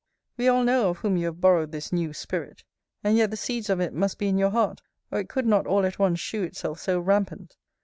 We all know of whom you have borrowed this new spirit. And yet the seeds of it must be in your heart, or it could not all at once shew itself so rampant.